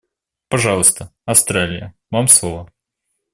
Пожалуйста, Австралия, вам слово.